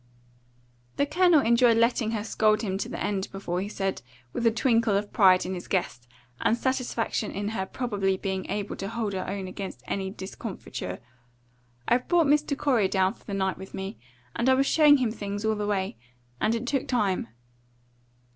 The Colonel enjoyed letting her scold him to the end before he said, with a twinkle of pride in his guest and satisfaction in her probably being able to hold her own against any discomfiture, "I've brought Mr. Corey down for the night with me, and I was showing him things all the way, and it took time."